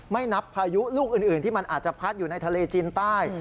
ไม่นับพายุลูกอื่นที่มันอาจจะพัดอยู่ในทะเลจีนใต้